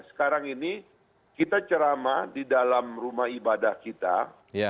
sekarang ini kita ceramah di dalam rumah ibadah kita